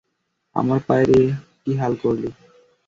আমার পায়ের এ কী হাল করলি?